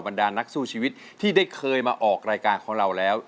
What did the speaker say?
ดานักสู้ชีวิตที่ได้เคยมาออกรายการของเราแล้ว